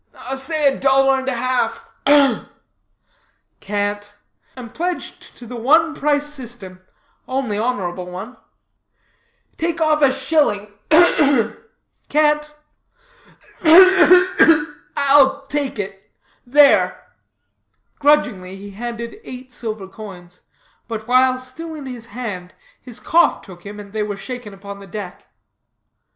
"Say a dollar and half. Ugh!" "Can't. Am pledged to the one price system, only honorable one." "Take off a shilling ugh, ugh!" "Can't." "Ugh, ugh, ugh I'll take it. There." Grudgingly he handed eight silver coins, but while still in his hand, his cough took him and they were shaken upon the deck.